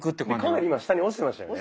かなり今下に落ちてましたよね。